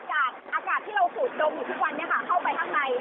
จะได้ที่ดับเฟลิงพออากาศเหลือแค่๑๕นาที